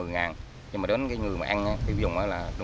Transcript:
nhưng mà đến người mà ăn đó tiêu dùng đó